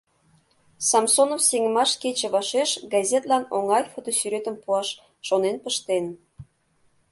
Самсонов Сеҥымаш кече вашеш газетлан оҥай фотосӱретым пуаш шонен пыштен.